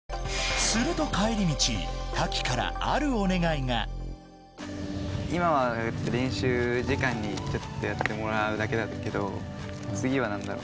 すると今は練習時間にちょっとやってもらうだけだったけど次は何だろう